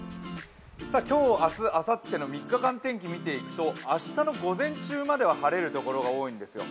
今日、明日、あさっての３日間天気を見ていくと明日の午前中までは晴れるところが多いんですよ。